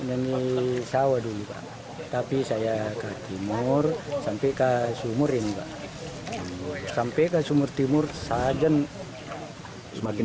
dari sawah dulu pak tapi saya ke timur sampai ke sumur ini pak sampai ke sumur timur sajen semakin